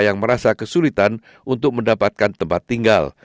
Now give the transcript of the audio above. yang merasa kesulitan untuk mendapatkan tempat tinggal